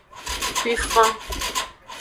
Kuifan.